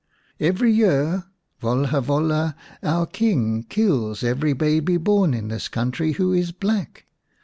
"Every year Volha Volha, our King, kills every baby born in this country who is black.